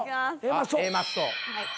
Ａマッソ。